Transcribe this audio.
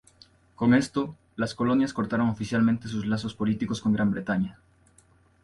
Con esto, las colonias cortaron oficialmente sus lazos políticos con Gran Bretaña.